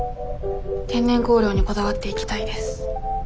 天然香料にこだわっていきたいです。